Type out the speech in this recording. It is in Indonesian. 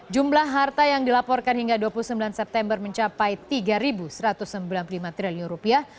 jumlah harta yang dilaporkan hingga dua puluh sembilan september mencapai tiga satu ratus sembilan puluh lima triliun rupiah